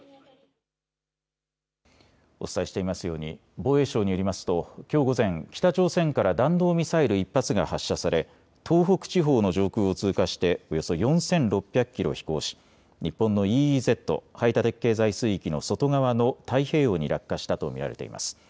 お伝えしていますように防衛省によりますときょう午前、北朝鮮から弾道ミサイル１発が発射され東北地方の上空を通過しておよそ４６００キロ飛行し日本のＥＥＺ・排他的経済水域の外側の太平洋に落下したと見られています。